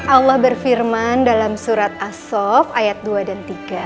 allah berfirman dalam surat asof ayat dua dan tiga